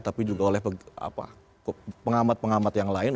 tapi juga oleh pengamat pengamat yang lain